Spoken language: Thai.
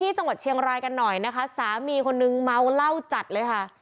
จังหวัดเชียงรายกันหน่อยนะคะสามีคนนึงเมาเหล้าจัดเลยค่ะ